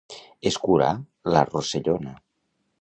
Escurar la rossellona.